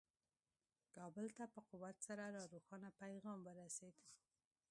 کابل ته په قوت سره دا روښانه پیغام ورسېد.